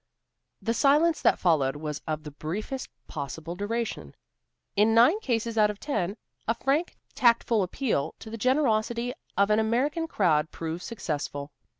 The silence that followed was of the briefest possible duration. In nine cases out of ten, a frank, tactful appeal to the generosity of an American crowd proves successful.